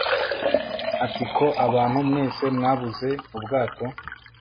ati ko abantu mwese mwabuze ubwato